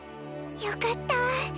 よかったぁ。